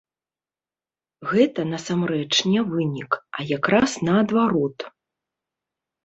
Гэта, насамрэч, не вынік, а якраз наадварот.